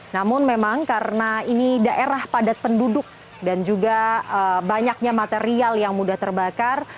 namun memang karena ini daerah padat penduduk dan juga banyaknya material yang mudah terbakar